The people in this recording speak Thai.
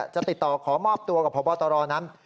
จะติดต่อขอมอบตัวกับพบตรนั้น